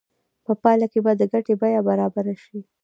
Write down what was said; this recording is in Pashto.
په پایله کې به د ګټې بیه برابره شي